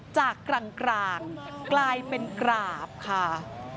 กลางกลายเป็นกราบค่ะ